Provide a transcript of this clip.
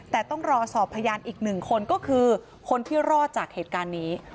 แต่ต้องรอสอบพยานอีกหนึ่งคนก็คือคนที่รอดจากเหตุการณ์นี้